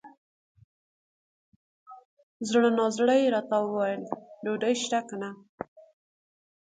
زړه نا زړه یې راته وویل ! ډوډۍ سته که نه؟